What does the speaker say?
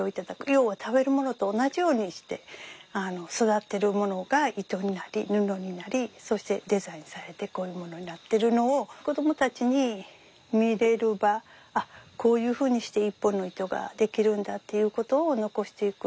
要は食べるものと同じようにして育ってるものが糸になり布になりそしてデザインされてこういうものになってるのを子どもたちに見れる場こういうふうにして一本の糸が出来るんだっていうことを残していく。